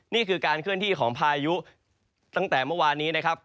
นี่คือการเคลื่อนที่ของพายุตั้งแต่เมื่อวานนี้นะครับ